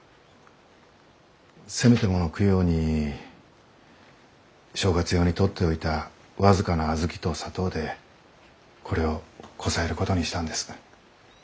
せめてもの供養に正月用に取って置いた僅かな小豆と砂糖でこれをこさえることにしたんです。